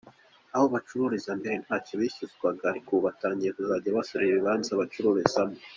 Aho bacururizaga mbere ntacyo bishyuzwaga ariko ubu batangiye kujya basorera ibibanza bacururizamo.